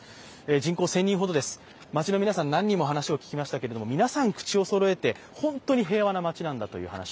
人口１０００人ほどです、町の皆さん、何人にも話をしましたが皆さん、口をそろえて本当に平和な町だと。